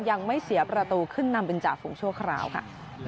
ยังไม่เสียประตูขึ้นนำเป็นจ่าฝูงชั่วคราวค่ะ